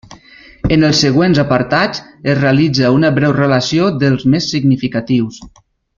En els següents apartats es realitza una breu relació dels més significatius.